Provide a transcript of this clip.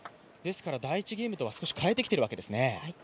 第１ゲームとは変えてきてるわけですね。